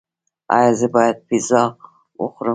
ایا زه باید پیزا وخورم؟